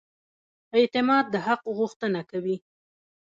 اعتماد د حق غوښتنه کوي.